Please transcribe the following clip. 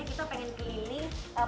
kita pengen keliling